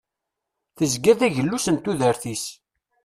Tezga d agellus n tudert-is.